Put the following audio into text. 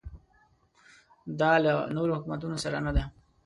دا له نورو حکومتونو سره نه ده.